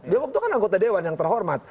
dia waktu kan anggota dewan yang terhormat